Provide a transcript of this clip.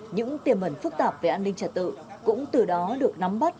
những tiềm ẩn phức tạp về an ninh trật tự cũng từ đó được nắm bắt